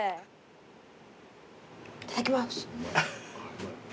いただきます。